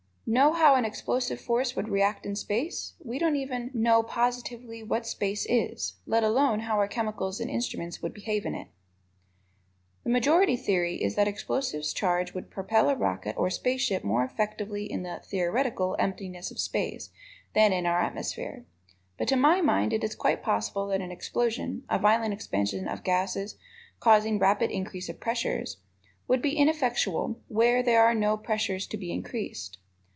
Know how an explosive force would react in space? We don't even know positively what space is, let alone how our chemicals and instruments would behave in it. The majority theory is that explosive charges would propel a rocket or space ship more effectively in the (theoretical) emptiness of space, than in our atmosphere. But to my mind it is quite possible that an explosion a violent expansion of gases causing rapid increase of pressures would be ineffectual where there are no pressures to be increased.